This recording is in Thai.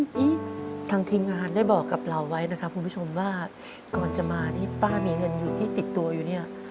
นี่ทางทีมงานได้บอกกับเราไว้นะครับคุณผู้ชมว่าก่อนจะมาที่ป้ามีเงินอยู่ที่ติดตัวอยู่เนี่ย